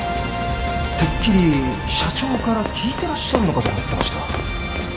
てっきり社長から聞いてらっしゃるのかと思ってました